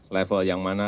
level yang mana